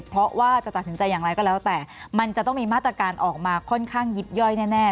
เพราะว่าจะตัดสินใจอย่างไรก็แล้วแต่มันจะต้องมีมาตรการออกมาค่อนข้างยิบย่อยแน่